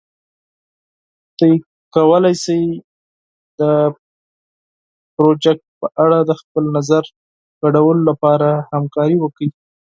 تاسو کولی شئ د پروژې په اړه د خپل نظر شریکولو لپاره همکاري وکړئ.